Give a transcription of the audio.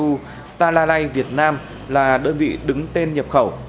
stalalay việt nam là đơn vị đứng tên nhập khẩu